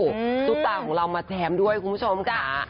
ซุปตาของเรามาแซมด้วยคุณผู้ชมค่ะ